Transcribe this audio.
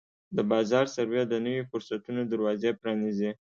د بازار سروې د نویو فرصتونو دروازې پرانیزي.